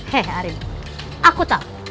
hei arim aku tahu